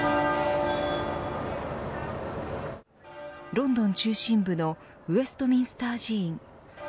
ロンドン中心部のウェストミンスター寺院。